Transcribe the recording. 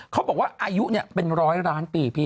เขาบอกว่าอายุเป็นร้อยล้านปีพี่